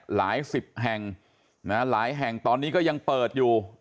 หลายสิบแห่งหลายแห่งตอนนี้ก็ยังเปิดอยู่